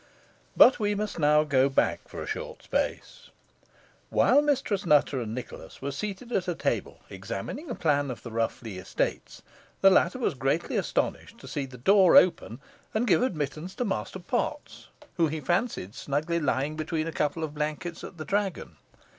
But we must now go back for a short space. While Mistress Nutter and Nicholas were seated at a table examining a plan of the Rough Lee estates, the latter was greatly astonished to see the door open and give admittance to Master Potts, who he fancied snugly lying between a couple of blankets, at the Dragon.